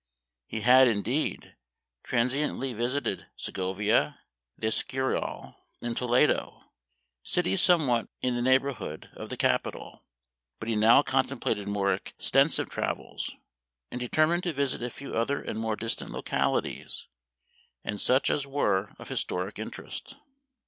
He had, indeed, tran siently visited Segovia, the Escurial, and Toledo, cities somewhat in the neighborhood of the capital ; but he now contemplated more exten sive travels, and determined to visit a few other and more distant localities, and such as were of historic interest.